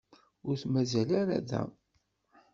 Ur t-mazal ara da.